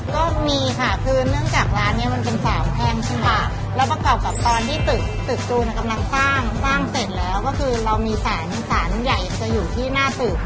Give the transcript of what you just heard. ก็มีค่ะคือเนื่องจากร้านเนี้ยมันเป็นสามแพ่งใช่ไหมคะแล้วประกอบกับตอนที่ตึกตึกจูนกำลังสร้างสร้างเสร็จแล้วก็คือเรามีสารสารใหญ่จะอยู่ที่หน้าตึก